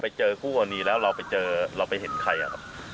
เจอคู่กรณีแล้วเราไปเจอเราไปเห็นใครอะครับ